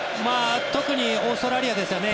特にオーストラリアですよね。